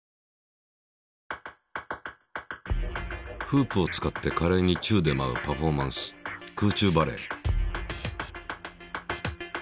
フープを使ってかれいに宙でまうパフォーマンス空中バレエ。